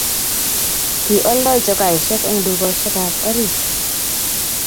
kioldoen chokaisiek eng' dukosiekab orit.